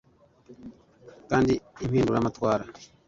kandi impinduramatwara,